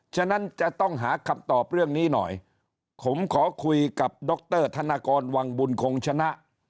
ฉะนั้นจะต้องหาคำตอบเรื่องนี้หน่อยผมขอคุยกับดรธนกรวังบุญคงชนะ